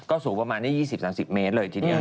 แล้วก็สูงประมาณ๒๐๓๐เมตรเลยทีเดียวนะ